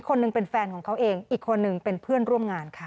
คนหนึ่งเป็นแฟนของเขาเองอีกคนนึงเป็นเพื่อนร่วมงานค่ะ